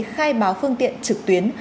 khai báo phương tiện trực tuyến